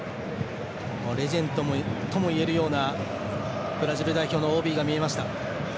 レジェンドともいえるようなブラジル代表のＯＢが見えました。